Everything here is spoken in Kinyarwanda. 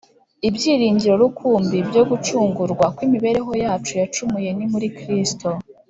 Ibyiringiro rukumbi byo gucungurwa kw’imibereho yacu yacumuye ni muri Kristo